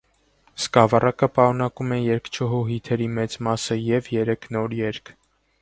Սկավառակը պարունակում է երգչուհու հիթերի մեծ մասը և երեք նոր երգ։